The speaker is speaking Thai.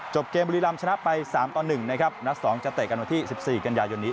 จบเกมบุรีลำชนะไปสามตอนหนึ่งนะครับณสองจะเตะกันมาที่สิบสี่กันยายนนี้